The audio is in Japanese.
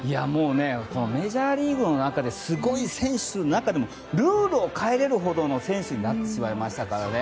メジャーリーグの中ですごい選手の中でもルールを変えられるほどの選手になってしまいましたから。